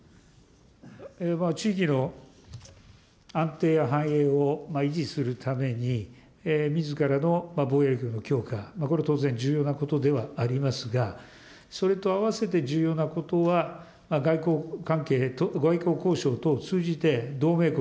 地域の安定や繁栄を維持するために、みずからの防衛力の強化、これ、当然重要なことではありますが、それと併せて重要なことは、外交交渉等を通じて、同盟国、